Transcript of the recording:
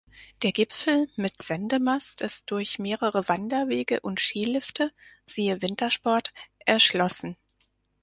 Der Gipfel mit Sendemast ist durch mehrere Wanderwege und Skilifte (siehe Wintersport) erschlossen.